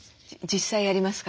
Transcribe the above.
実際ありますか？